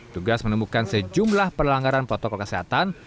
tugas menemukan sejumlah perlanggaran protokol kesehatan